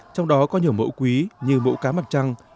trong đó có nhiều mẫu quý như mẫu cá mặt trăng